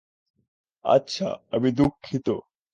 আচ্ছা, আমি দুঃখিত!